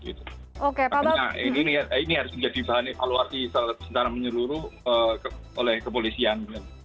ini harus menjadi alu arti secara menyeluruh oleh kepolisian